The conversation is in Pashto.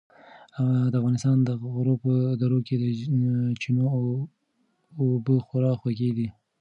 د افغانستان د غرو په درو کې د چینو اوبه خورا خوږې دي.